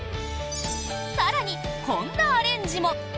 更に、こんなアレンジも。